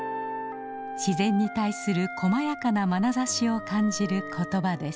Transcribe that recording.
自然に対するこまやかなまなざしを感じることばです。